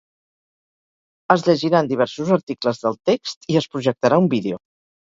Es llegiran diversos articles del text i es projectarà un vídeo.